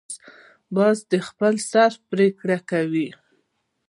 باز د خپل سر پریکړه کوي